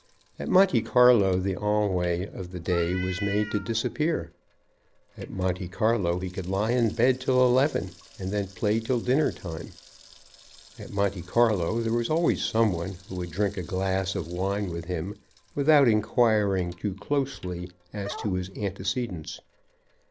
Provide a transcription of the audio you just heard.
At Monte Carlo the ennui of the day was made to disappear. At Monte Carlo he could lie in bed till eleven, and then play till dinner time. At Monte Carlo there was always some one who would drink a glass of wine with him without inquiring too closely as to his antecedents.